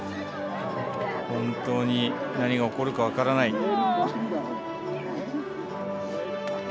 本当に何が起こるか分からない。